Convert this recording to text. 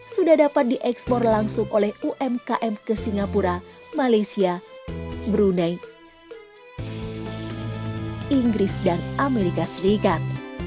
sudah dapat diekspor langsung oleh umkm ke singapura malaysia brunei inggris dan amerika serikat